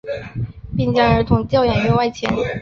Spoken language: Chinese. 并将儿童教养院外迁。